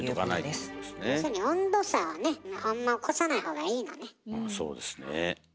要するに温度差をねあんま起こさないほうがいいのね。